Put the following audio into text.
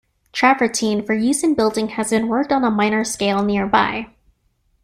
Travertine for use in building has been worked on a minor scale nearby.